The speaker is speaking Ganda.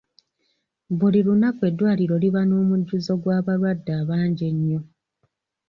Buli lunaku eddwaliro liba n'omujjuzo gw'abalwadde abangi ennyo.